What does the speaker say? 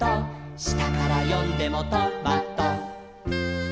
「したからよんでもト・マ・ト」